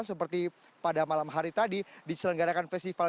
seperti pada malam hari tadi diselenggarakan festival